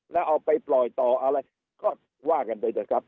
แล้วเอาไปปล่อยต่ออะไรก็ว่ากันไปเถอะครับ